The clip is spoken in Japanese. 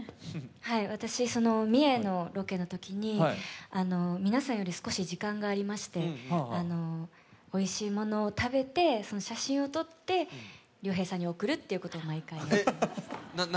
私、三重のロケのときに皆さんより少し時間がありまして、おいしいものを食べて写真を撮って亮平さんに送るということを毎回やっていました。